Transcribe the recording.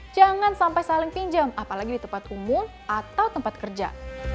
jangan sampai saling pinjam apalagi di tempat umum atau tempat kerja